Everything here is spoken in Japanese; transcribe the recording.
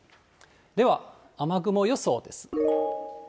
では、雨雲予想です。